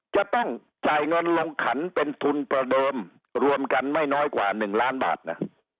จะต้องจ่ายเงินลงขันเป็นทุนประเดิมรวมกันไม่น้อยกว่า๑ล้านบาทนะ